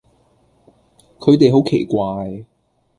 佢哋好奇怪